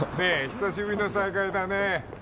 久しぶりの再会だね